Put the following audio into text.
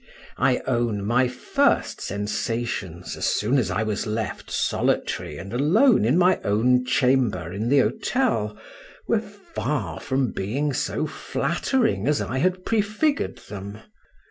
I own my first sensations, as soon as I was left solitary and alone in my own chamber in the hotel, were far from being so flattering as I had prefigured them.